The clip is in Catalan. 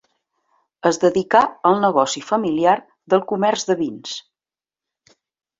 Es dedicà al negoci familiar del comerç de vins.